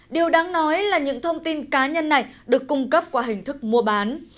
điều đáng nói là những thông tin cá nhân này được cung cấp qua hình thức mua bán